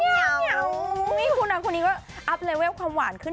คุณนางคนนี้ก็อัพเลเวลความหวานขึ้น